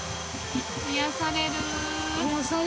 癒やされる。